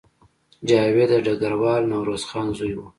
جاوید د ډګروال نوروز خان زوی و